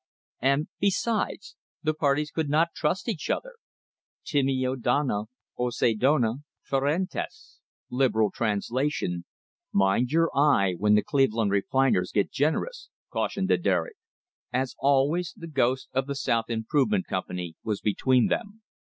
And, besides, the parties could not trust each other. "Timeo Danaos et dona ferentes. Liberal translation — Mind your eye when the Cleveland refiners get generous," cautioned the Derrick. As always, the ghost of the South Improvement Company was between them.